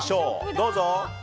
どうぞ。